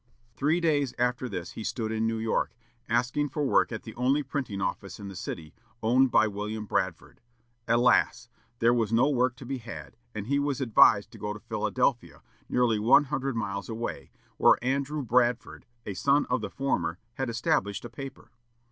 Three days after this, he stood in New York, asking for work at the only printing office in the city, owned by William Bradford. Alas! there was no work to be had, and he was advised to go to Philadelphia, nearly one hundred miles away, where Andrew Bradford, a son of the former, had established a paper.